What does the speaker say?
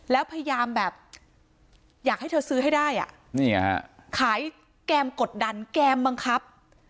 แล้วพยายามแบบอยากให้เธอซื้อให้ได้อ่ะนี่ฮะขายแกมกดดันแกมบังคับ